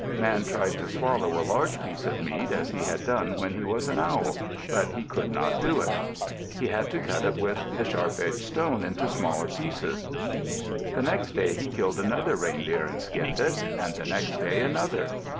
Man tried to swallow a large piece of meat, as he had done when he was Owl, but he could not do it. He had to cut it with the sharp edged stone into smaller pieces. The next day he killed another reindeer and skinned it. And the next day another.